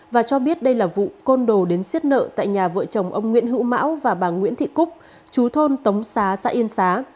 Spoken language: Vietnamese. và cho biết đây là vụ côn đồ đến xiết nợ tại nhà vợ chồng ông nguyễn hữu mão và bà nguyễn thị cúc chú thôn tống xá xã yên xá